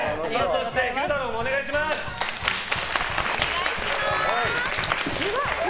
そして昼太郎もお願いします。